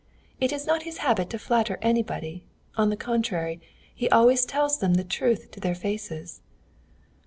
It is not his habit to flatter anybody; on the contrary, he always tells them the truth to their faces."